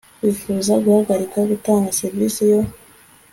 wifuza guhagarika gutanga serivisi yo